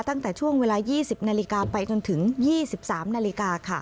ตั้งแต่ช่วงเวลา๒๐นาฬิกาไปจนถึง๒๓นาฬิกาค่ะ